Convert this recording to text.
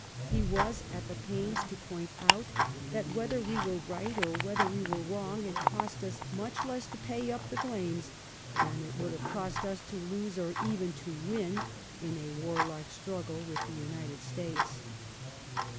He was at the pains to point out that, whether we were right or whether we were wrong, it cost us much less to pay up the claims than it would have cost us to lose or even to win in a warlike struggle with the United States.